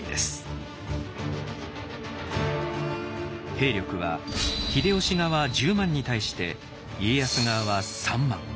兵力は秀吉側１０万に対して家康側は３万。